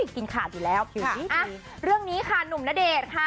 กินขาดอยู่แล้วผิวดีอ่ะเรื่องนี้ค่ะหนุ่มณเดชน์ค่ะ